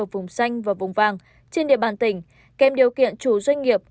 ở vùng xanh và vùng vàng trên địa bàn tỉnh kèm điều kiện chủ doanh nghiệp